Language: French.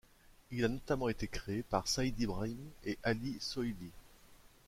Il a notamment été créé par Said Ibrahim et Ali Soilih.